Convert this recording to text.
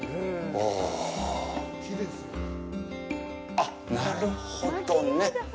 あっ、なるほどね。